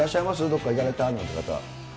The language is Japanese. どっか行かれたなんて方は。